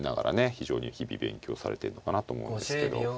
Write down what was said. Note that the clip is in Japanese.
非常に日々勉強されてるのかなと思うんですけど。